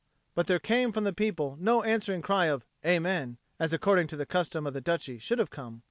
But there came from the people no answering cry of "Amen," as, according to the custom of the Duchy, should have come.